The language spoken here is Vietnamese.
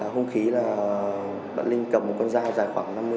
hùng khí là bạn linh cầm một con dao dài khoảng năm mươi cm